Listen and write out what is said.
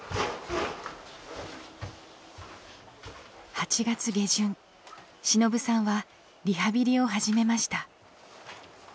８月下旬しのぶさんはリハビリを始めました。